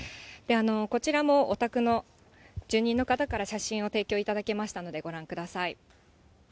こちらも、お宅の住人の方から写真を提供いただけましたので、ご覧ください。